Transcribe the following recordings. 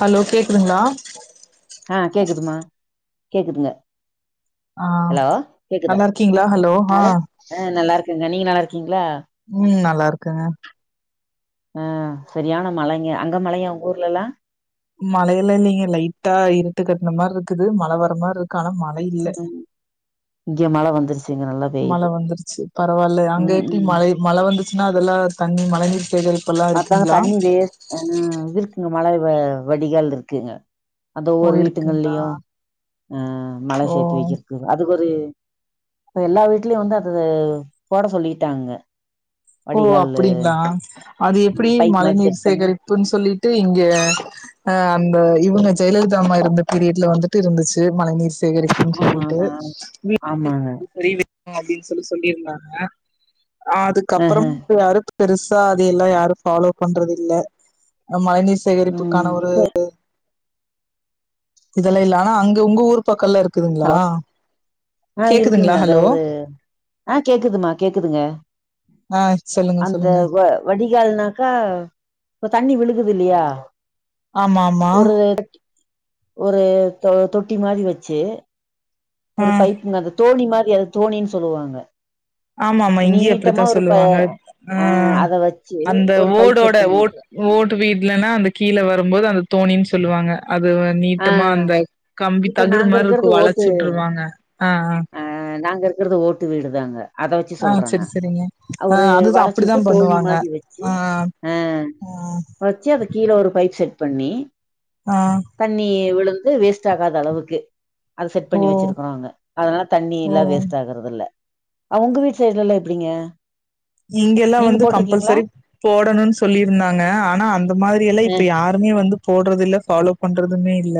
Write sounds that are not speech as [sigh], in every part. Hello கேக்குதுங்களா ஆ கேக்குதுமா கேக்குதுங்க ஆ ஹலோ கேக்குதா நல்லா இருக்கீங்களா ஹலோ ஹா மழ ஆ நல்லா நீங்க நல்லாயிருக்கிங் ம் நல் நல்லா இருக்கேன் ஆ சரியான மழைங்க அங்க மழையா உங்க ஊர்ல எல்லா மழையல்ல நீங்க லைட்டா இருட்டு கட்டுன மாரி இருக்குது மழை வர மாரி இருக்கு மழை இல்ல இங்க மழ வந்துருச்சுங்க நல்லா மழை பெய்யுது வந்துருச்சு பரவாயில்ல அங்க ம் எப்டி ம் மழ மழை வந்துச்சுன்னா அதெல்லாம் தண்ணி மழை அ செரி அதன் தண்ணி வெஸ்ட் ம் இருக்குங்க மழை வ வடிகால் இருக்குங்க அது ஓ ஒரு இருக்குங்களா வீட்டுகலயும் அ மழை ஓ சேத்து வைக்கிறதுக்கு அது ஒரு இப்ப எல்லா வீட்லயும் வந்து அது போட சொல்லிட்டாங்க ஓ வடிகால்லு அப்டிங்களா அது எப்டி பைப் மழை மாரி செட் நீீர் பண்ணி சேகரிப்புன்னு சொல்லிட்டு இங்க அ அ இ வுங்க ஜெயலலிதா அம்மா இருந்த பீரியடுல வந்துட்டு இருந்துச்சு மழைநீர் சேகரிப்புனு ஆமா சொல்லிட்டு ஆமா ஆமாங்க அப்டின்னு சொல்லி சொல்லிருந்தாங்க ஆ [unintelligible] ஆஹ யாரு பெருசா அது எல்லா யாரும் ஃபாலோ பண்றது இல்ல மழைநீர் சேகரிப்புக்கான ம் ஒரு இப்ப இதெல்லா இல்ல ஆனா அங் உங்க ஊர் பக்கலா இருக்கு இருக்குதுங்களா ஹலோ ஆ கேக்குதுங்களா இருக்குங்க இந்த ஹலோ ஒரு ஆ கேக்குதுமா கேக்குதுங்க ஆ சொல்லுங்க அந்த சொல்லுங்க வ வடிகால்னாக்கா தண்ணி விழுகுது இல்லியா ஆமா ஆமா ஒரு தொ தொட்டி மாரி வச்சு ஆ இந்த தோனி மாரி அத தோனின் சொல்லுவாங்க ஆமா ஆமா இப்ப இங்கயு அப்பிடி நீட்டமா தா ஒரு ப சொல்லுவாங்க ஆ அத வச்சு அந்த ஒரு பைப் ஓடோட செட் பண்ணி ஓட விட்ரு ஓட்டு வீட்லனா அந்த கீழ வரும்போது அந்த தோனின் சொல்லுவாங்க அது வ ஆ நீட்டமா அந்த கம்பி இப்ப தகுடு நாங்க மாரி இருக்கு இருக்கறது ஓட்டு வளைச்சுவுட்ருவாங்க ஆ அ நாங்க இருக்கறது ஓட்டு வீடுதாங்க அத வெச்சி சொல்றேக சரி சரிங்க அ ஆ ஒரு அதுதா அப்படிதா வளைச்சிவிட்டு தோனி பண்ணுவாங்க மாரி வெச்சி ஆ அ ஆ வெச்சி அது கீழ ஒரு பைப் செட் பண்ணி ஆ தண்ணி விலுந்து வேஸ்ட் ஆகாத அளவுக்கு அது செட் ஓ பண்ணி வெச்சிறுக்கிறாங்க அதனால ஓ தண்ணில்லா வேஸ்ட் ஆகுறது இல்ல அவுங்க வீட்டு சைட்லெல்லா எப்பிடிங்க இங்க எல்லா வந்து கம்பெல்செரி போடணுன்னு சொல்லிருந்தாங்க ஆனா அந்த மாரி எல்லா அ இப்ப யாருமே வந்து போடறது இல்ல ஃபாலோ பண்றதுமே இல்ல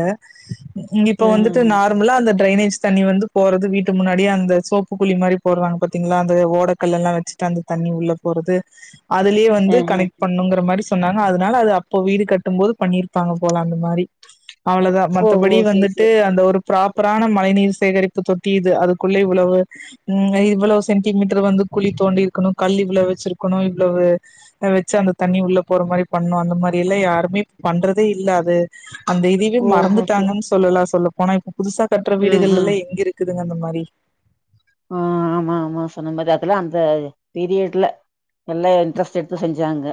இங்க இப்ப வந்துட்டு அஹஹ நார்மலா அந்த டிரைனேஜ் தண்ணி வந்து போறது வீட்டு முன்னாடியே அந்த சோப்பு குளி மாரி போராங்க பாத்தீங்களா அந்த ஓடக்கல் எல்லா வச்சி தா அந்த தண்ணி உள்ள போறது அதுலேயே வந்து அஹ கனெக்ட் பண்ணுங்கற மாரி ஸ் சொன்னாங்க அதனால அது அப்போ வீடு கட்டும் போது பண்ணிருப்பாங்க போல அந்த மாரி அவ்ளோ தா ஓ ஓ மத்தபடி சேரி வந்துட்டு சேரி அந்த ஒரு ப்ராப்பரான மழை நீர் சேகரிப்பு தொட்டியுது அதுக்குள்ளே இவ்வளவு ம் இவ்வளவு சென்டிமீட்டர் வந்து குழி தோண்டி க்கணு கல் இவ்ளோ வெச்சிருக்கனு இவ்வளவு வெச்சா அந்த தண்ணி உள்ள போற மாரி பண்ணோ அந்த மாரி எல்லா யாருமே பண்றதே இல்ல அது அந்த இதுவே ஓஹோ சேரி மறந்துட்டாங்கன்னு சொல்லலா சொல்ல ப் போனா இப்போ புதுசா கட்ற அஹ வீடுகள் எல்லா எங்க இருக்கு துங்க அந்த மாரி ஆ ஆமா ஆமா சொன்னது மாரி அதுல்லா அந்த பீரியட்ல எல்லா இன்ட்ரெஸ்ட் எடுத்து செஞ்சாங்க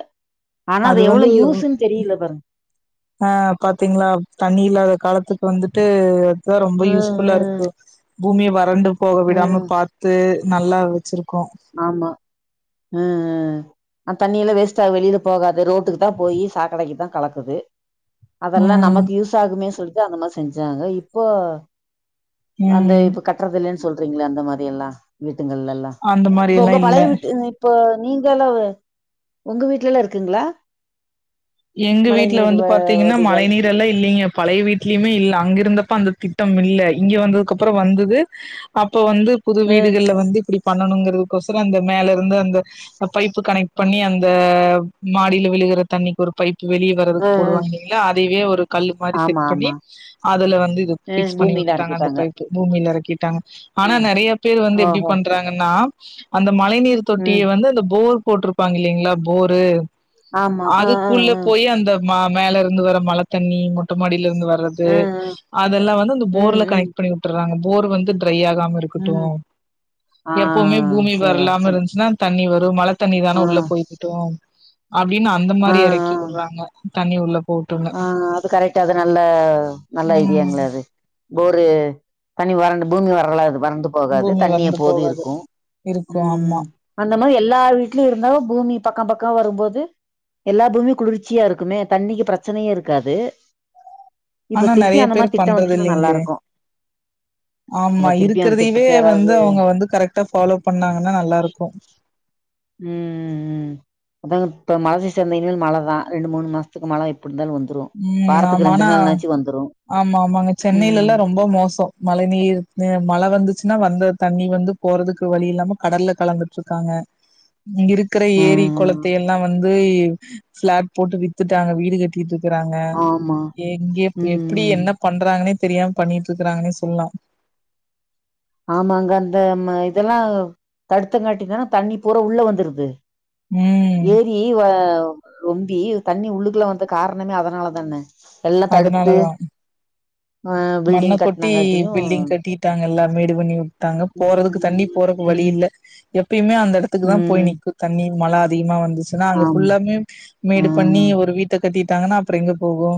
ஆனா அது எவ்ளோ வந்து யூஸ்ன்னு தெரியல பாருங்க ஆ பாத்தீங்களா தண்ணி இல்லாத காலத் த்துக்கு வந்துட்டு தா ரொம்ப யூஸ் ம் ஃபுல்லா இருக்கு ம் பூமியே வறண்டு போக விடாம ம் பாத்து நல்லா வெச்சிரு ஆமா அ அ ஆ தண்ணியில வேஸ்ட்டா வெளியில போகாதுரோட்டுக்கு தா போயி சாக்கடைக்குதா கலக்குது அதெல்லா ம் நமக்கு யூஸ் ஆகுமே சொல் த அந்த மாரி செஞ்சாங்க இப்போ அந்த ம். இப்ப கட்டுறதுலன் சொல்றீங்களா அந்த மாரில்லா வி அந்த மா இப்ப உங்க பழையவீட்டு இப் போ நீங்க எல்லா உங்க வீடலல்லா இருக்குங்களா எங்க மழை வீட்டுல நீர் வந்து வ பாத்தீங்கன்னா மழை வடிகால் நீர் எல்லா இல்லிங்க பழைய வீட்லயுமே இல்ல அங்க இருந்தப்ப அந்த திட்டம் இல்ல இங்க வந்ததுக்கு அப்புறோ வந்தது அப் இப்ப வந்து புது அ வீடுகள்ல வந்து இப்பிடி பண்ணணுங்கிறதுக்கோசரு அந்த மேல இருந்து அந்த பைப்பு கனெக்ட் பண்ணி அந்த மாடியில விழுகிற தண்ணிக் ஒரு வெளியேவறது அ அ போடுவாங்க இல்லிங்களா தேவியா ஒரு கல் மாரி ஆமா செட்பண்ணி ஆமா அதுல வந்து இது அ பிக்ஸ் பூமியில பண்ணிவுட்டாங்க அந்த எறக்கிட்டாங்க பைப்பு பூமியில இரு கீட்டாங் ஆனா ம் நெறையபேர் வந்து எப்பிடி ஓஹோ பண்றாங்கன்னா அந்தப் மழை நீீர் ம் தொட்டிய வந்து அந்தபோர் போட்டுருப்பாங்க இல்லிங்களா போரு ஆமா ஆ ஆ கூல்ல ஆ அ போயிஅந்தப் மா மேல இருந்து வர மழ தண்ணி மொட்ட மாடி ல்லருந்து வர்றது அ அதெல்லா வந்துந்த ம் போர்ல ம் கனெக்ட் பண்ணிவுட்டறாங்க போர் வந்து இந்த கையாகாம இருக்கட்டு ம் ஆ எப்புவுமே பூமி சேரி வரலாம இருந்துச்சுன்னா தண்ணி வரு டூ மழ ஆ தண்ணிதான உள்ள போய்க்கிட்டு அப்டின்னு அந்த ஆ ஆ மாரி இர க்கிவிடுறாங்க தண்ணி உள்ள போட்டுன்னு ஆ அது கரெக்டா அது நல்ல நல்ல ம் ஐடியாங்களே அது போரு தண்ணி வரண்டு பூமி வரலாது வறந்து போகாது பூமி தண்ணி வறண்டு எப்போதும் போகாது இருக்கு இருக்கு ஊ ஆமா அந்த எல்லா வீட்லயு இருந்தாலு பூமி பக்க பக்க வரும்போது எல்லா பூமியும் குளிர்ச்சியா இருக்குமே தண்ணிக்கு பிரச் பிரச்சனயே இருக்காது இப்ப ஆனா திருப்பி நெறய அந்த பேர் மாரி திட்டோ பண்றது வந்துச்சுன்னா நல்லா இல்லைங்ளே இருக்கு ஆமா அத திருப்பி அந்த இருக்கிறதையவே திட்டத்த வந்து யாராவது அவுங்க வந்து கரெக்டா ஃபாலோ பண்ணாங்கனா நல்லா இருக்கு உம்ம்ம் அத இப்ப மழ சீச இருந்த இனிமே மழ தா ரெண்டு மூனு மாசத்துக்கு மழ இருந்தாலு வந்துரு உம் வாரத்துக்கு ஆமா ரெண்டு ஆனா நாள்னாச்சு வந்துரு ஆமா ஆமாங்க சென்னையில ம் எல்லா ரொம்ப மோசோ மழ நீர் மழ வந்துச்சுன்னா வந்த தண்ணி வந்து போறதுக்கு வழி இல்லாம கடல்ல கலந்துட்டு இருக்காங்க இங்க இருக்குற ஆ ஏரி கொளத்த எல்லா வந்து ஒய் ஃபிளாட் போட்டு வித்துட்டாங்க வீடு கட்டிட்டு இருக்காங்க ஆமா எங்க ம் எப்டி ம் என்ன பண்றாங்கன்னே தெரியாம பண்ணிட்டு இருக்குறாங்கன்னே சொல்லலா ஆமாங்க அந்த இதெல்லா தடுத்தங்கட்டி தானா தண்ணி பூரா உள்ள வந்துடுது ம் ஏரி வ ரொம்பி தண்ணி உள்ளுக்குல வந்த காரணமே அதனாலதான எல்லாந் தடுத்து அதனாலதா ஆ மண்ண பில்டிங் கொட்டி கட்னங்காட்டியு பில்டிங் கட்டிட்டாங்க எல்லாரு மேடு பண்ணி விட்டாங்க ம், போறதுக்கு தண்ணி போறக்கு வழி ம், இல்ல இப்பயுமே அந்தடத்துக்கு தா போய் ம். நிக்கு தண்ணி மழ அதிகமா வந்து ன்ன அங்க ஆமா. ஃபுல்லாமே ஆ மேடு பண்ணி ஒரு வீட்ட கட்டிட்டாங்கன்னா அப்றோ எங்க போகு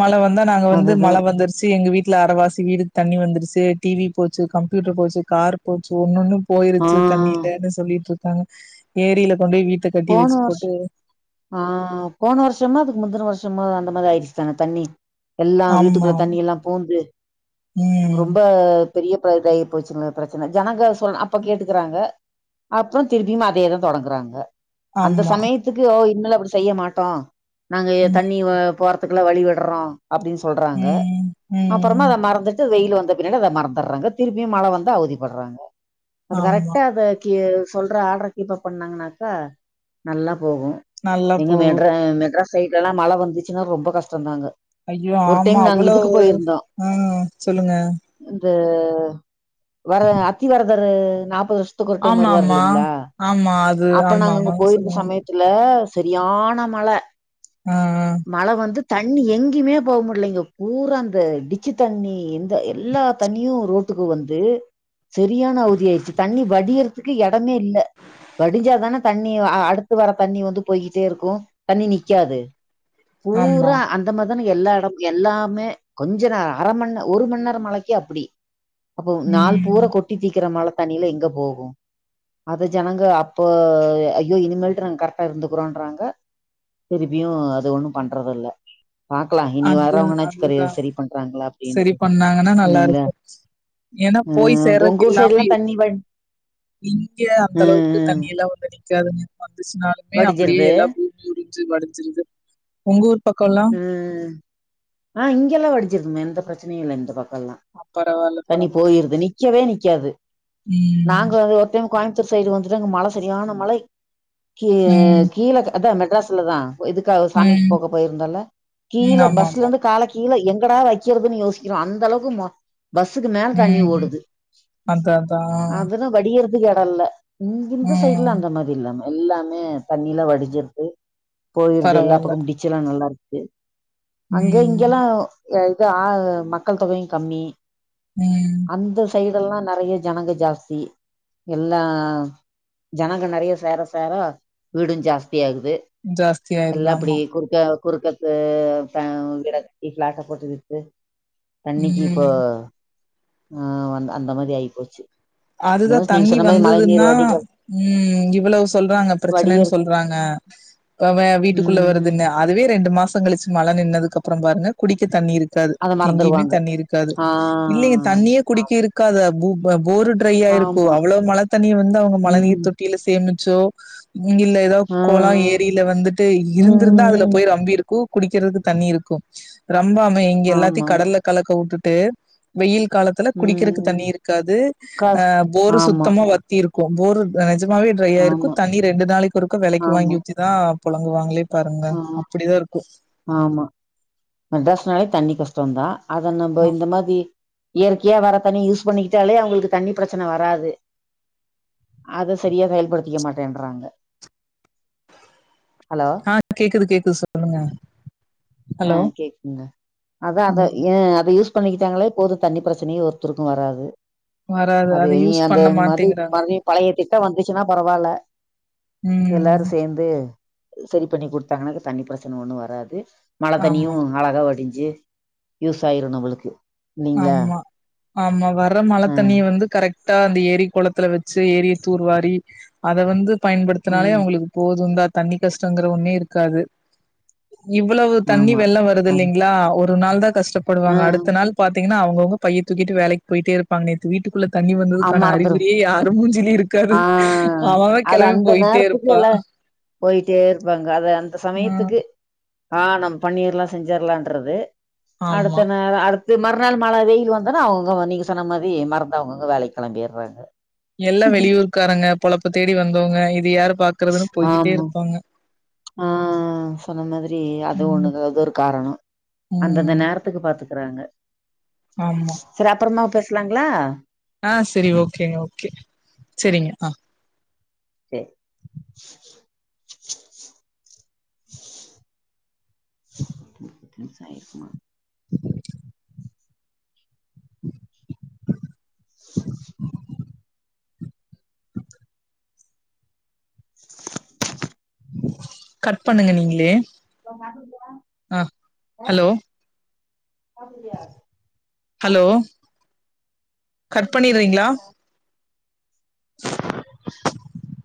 மழ வந்தா நாங்க வந்து மழ அதுதான். வந்துருச்சு எங்க வீட்ல அரவாசி வீடு தண்ணி வந்துருச்சு டிவி போச்சு கம்ப்யூட்டர் போச்சு கார் போச்சு ஒன்னொன்னு ஆ போயிருச்சு தண்ணிலன்னு சொல்லிட்டு இரு தங் ஏரியில கொண்டு போய் வீட்ட கட்டி போன வச்சு வருஷ் போட்டு ஆ போன வருஷமா அதுக்கு முந்துன வருஷ சும்மா அந்தமாரி ஆயிச்சு தான தண்ணி எல்லா ஆமா வீட்டுக்குள்ள தண்ணி எல்லா பூந்து ம் ரொம்ப பெரிய ப இதாயிபோச்சு பிரச்சன ஜனங்கள் அப்ப கேட்டுக்குறாங்க அப்பறம் திருப்பியும் அதே தா தொடங்குறாங்க அந்த ஆமா சமயத்துக்கு ஒ இன்னலப் அப்டி செய்ய மாட்டோ நாங்க எ ம் தண்ணி ஒ போறத் அதுக்குல வழி விடுறோ அப்டின்னு சொல்றாங்க ம் அப்பறமா ம் அத மறந்துட்டு வெயில் வந் இந்த பின்னடி அத மறந்துறாங்க திருப்பியும் மழ வந்து அவதிப்படுறாங்க அது ஆமா கரெக்ட்டா அத கிவ்ஸ் சொல்ற ஆடர் கீப்பப் பண்ணாங்கனாக்கா நல்லப் போகு நல்லா எங்க போகு மெட்ர மெட்ராஸ் சைட் எல்லா மழ வந்துச்சுன்னா ரொம்ப கஷ்டம்தாங்க ஐயோ ஆமா அவ்வளவு ஆ சொல்லுங்க இத வர அத்தி வரத இது நாப்பத் ஆமா ஆமா ஆமா அது ஆமா ஆமா இந்து சொல்லுங்க சமயத்துல அ சரியான மழ ஆ மழ வந்து தண்ணி எங்கேயுமே போக முடியலங்க பூரா அந்த டிச்சு தண்ணி இந்த எல்லா தண்ணியு ரோட்டுக்கு வந்து சரியான அவதியாயிருச்சு தண்ணி வடியர இக்கு எடமே இல்ல வடிஞ்சா தானே தண் தண்ணி அடுத்து வர தண்ணி வந்து போய்கிட்டே இருக்கு தண்ணி நிக்காது ஆ ஆமா பூரா அந்த மாரிதானே எல்லா எடமு எல்லாமே கொஞ்ச நேர அரைம ஒரு மணி நேர மலைக்கு அப்டி அப்போ நாள் பூரா ம் கொட்டி தீக்குற மழ தண்ணியிலா எங்க போகு அது ஜனங்க அப்போ ஐயோ இனிமேல்ட்டு நாங்க கரெட்டா இருந்துக்குறோன்றாங்க திருப்பியு அது ஒண்ணும் பண்றதில்ல பாக்கலாம் இனி அது வரவங்கனாச்சும் கரி அதுதா சரி பண்றாங்களா சேரி அப்படின்ட்டு. பண்ணாங்கன்னா நல்லா இல்லைங்களா? இருக்கு ஏன்னா போய் ம் சேர்றதுக்கு உங்க ஊர் இல்லாம சைடுலாம் இங் தண்ணி வ இங்க அந்த ம் அளவுக்கு ம் தண்ணி எல்லா வந்து நி நிக்காதுங்க [inaudible] இருந்துச்சுனாலுமே அப்புடியே வடிஞ்சிருது. எல்லா பூமி உரிஞ்சு வடுஞ்சுருது உங் ஊர் பக்கம்லா ம் ம் ஆ இங்கெல்லா வடிஞ்சுருதுமே எந்த பிரச்சனையு இல்ல இந்த பக் கோலா பரவால்ல தண்ணி பரவால்ல போயிருது நிக்கவே நி நிக்காது ம் நாங்க வந்து ஒர் டைமு கோயம்புத்தூர் சைடு வந்துட்டு அங்க மழ சரியான மலை கீ ம் கீழக்கு அதா மெட் ட்ராஸ்சுலதா எதுக்காக சாமிக் ம் போக போயிரு தல்ல கீழ ம் ஆமா பஸ்ல ஆமா இருந்து கால கீ கீழ எங்கடா வெக்கிறதுன் யோசிக்கிறோ அந்த அளவுக்கு மோ பஸ்ஸுக்கு மேல தண்ணி ம் ஓடுது அதா அதா அதுல வடியிறது துக்கு எடோ இல்ல இங்க இந்த சைடுல ம் அந்த மாதிரி இல்லமா எல்லாமே தண்ணிலா வடுஞ்சுருட்டு போயிறது எல்லா பரவால்ல பக்கமு டிச்செல்லா நல் ஓகே அங்க ம் இங்கல்லா இது ஆ மக்கள் தொகையு கம்மி ம் அந்தஸ் சைடு எல்லா நறையா ஜனங்க ஜாஸ்தி எல்லா ஜனங்க நறையா சேர சேர வீடு ஜாஸ் தியாகுது ஜாஸ்தி ஆயிருது எல்லா ஆமா அப்டி குருக்க குறுக்கத்து ஃபே விட ஃபிளாட்ட போட்டு விட்டு தண்ணிக்கு இப்போ ம் ம் அந் அந்த மாரி ஆயிபோச்சு அதுதா தண்ணி வந்ததுன்னா ம் இவ்வளவ் சொல்றாங்க பிரச்சனன் வடியல் சொல்றாங்க அ வெ ம் வீட்டுக்குள்ள ம் வருதுன்னு அதுவே ரெண்டு மா சங் கழுச்சு மழ நின்னதுக்கப்ற பாருங்க குடிக்க தண்ணி இரு க்காது அத எங்கய்மே மறந்துருவாங்க தண்ணி இருக்காது ஆ இல்லையே தண்ணியே ஆமா குடிக்க இருக்காதா பூ ப போரு ட்ரையாயிருக்கு ஆமா. அவ்வளொ மழ தண்ணிய வந்து அவுங்க மழ நீர் ம் தொட்டில சேமி ச்சோ இங்கில்ல எதா ஆ ஆ. கொளொ ஏரில வந்துட்டு ம் ம் இருந்துருந்தா அதுல ம் போய் ரம்பி இருக்கு குடிக்கிறது தண்ணி இருக்கு ரம்பாம இங்க ஆமா எல்லாத்தையு கடல்ல கலக்க வுட்டு ட்டு வெயில் காலத்துல குடிக்கறக்கு ம் தண்ணி இருக்காது ஆ காஸ் போரு ஆமா சுத்தமா வத்தி இருக்கு‌ போரு அ நெ ஜமாவே ட்ரையா இருக்கு ஆமா தண்ணி ரெண்டு நாளைக்கு ஒருக்க வெலைக்கு ஆமா வாங்கி ஊத்திதா பொழங்குவாங்ளே பாருங்க ஆ அப்புடிதா இருக்கு ஆமா மெட்ராஸ்னாலே தண்ணி கஷ்டொந்தா அத நம்ப இந்த மாதி இயற்கையா வர தண்ணி யூஸ் பண்ணிக்கிட்டாலே அவங்களுக்கு தண்ணி பிரச்சன வராது அத சரியா செயல்படுத்திக்க மாட்டேன்றாங்க ஹலோ ஆ கேக்குது கேக்குது சொல்லுங்க ஆ ஹலோ கேக்குங்க அதா அதா ம் ஏ அத யூஸ் பண்ணிக்கிட்டாங்களே போது தண்ணி பிரச்சனையு ஒருத்தருக்கு வராது வராது. அது அத ஈ யூஸ் அந்த பண்ண மாதி மாட்டேங்கிறாங்க. பழைய பழைய திட்ட வந்துச்சுன்னா பரவால்ல எல்லாரு ம் சேந்து சரி பண்ணி குடுத்தாங்கனாக்க தண்ணி பிரச்சன ஒன்னு வராது மழத் தண்ணியு ஆமா அழகா வடி ஞ்சு யூஸ் ஆயிரு நம்மளுக்கு இல்லைங்களா ஆமா ஆமா வர்ற மழ ஆ தண்ணிய வந்து கரெக்ட் தா அந்த ஏரி கொளத்துல வெச்சு ஏரிய தூர்வாரி அத வந்து பயன்படுத்துனாலே ம் அவங்களுக்கு போதுந்தா தண்ணி கஷ்டங்குற ஒன்னே இருக்காது இவ்வளவு தண்ணி ஆமா வெள்ளோ வருது ஆ இல்லைங்களா ஒர் ஒரு நாள்தாக் ஆ கஷ்டப்படுவாங்க அடுத்த நாள் த்தீங்கன்னா அவுங்கவுங்க பைய தூக்கிட்டு வேலைக் போயிட்டே இருப்பாங் நேத்து வீட்டு உள்ள தண்ணி ஆ வந்ததுக்கான மறந்துரு அறிகுறியே யாரு மூஞ்சிலி இருக் ஆ அதா அந்த நேரத்துக்கு இருப்பா எல்லா போயிட்டே இருப்பாங்க அத அந்த ம் சமயத்துக்கு ஆ நம் பண்ணிர்லா செஞ்செர்லான்றது ஆமா அடுத்த நாள் அடுத் இது மறுநாள் மழ வெயிலு வந்தொன அவுங்க நீங்க சொன்ன மாரி மறந்து அவங்கவங்க வேலைக் கெளம்பிறாங்க எல்லா வெளியூர்காரங்க பொழப்ப தேடி வந்தவங்க இது வியாரம் பாக்குறதுன்னு போய்கிட்டே ஆமா இருப்பாங்க ஆ சொன்ன மாதிரி அது ம் ஒண்ணுதா அது ஒரு காரணோ அந்தந்த ம் நேரத்துக்கு பாத்து இருக்குறாங்க ஆமா சேர் அப்புறமா பேஸ் சுலாங்களா ஆ சேரி ஓகே ஓகே சேரிங்க ஆ சேர் [unintelligible] பெருசாயிருக்குமா [unintelligible] [inaudible] [inaudible] கட் பண்ணுங்க நீங்களே ஆ [inaudible] ஹலோ அ அப்டியா அ ஹலோ கட் பண்ணிறீங்களா [inaudible] [inaudible]